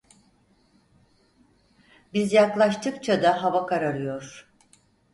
Biz yaklaştıkça da hava kararıyor…